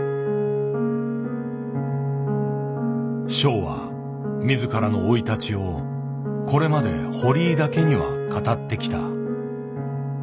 ショウは自らの生い立ちをこれまで堀井だけには語ってきた。